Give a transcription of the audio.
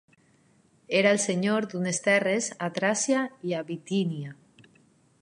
Era el senyor d'unes terres a Tràcia i a Bitínia.